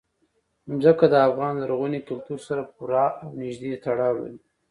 ځمکه د افغان لرغوني کلتور سره پوره او نږدې تړاو لري.